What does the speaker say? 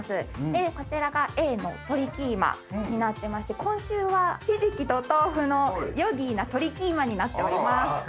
でこちらがａの鶏キーマになってまして今週はひじきと豆腐のヨギーな鶏キーマになっております。